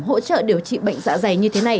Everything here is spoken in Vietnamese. hỗ trợ điều trị bệnh dạ dày như thế này